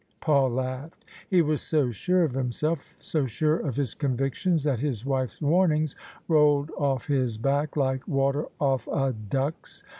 Paul laughed. He was so sure of himself — so sure of his convictions — that his wife's warnings rolled off his back like water off a duck's.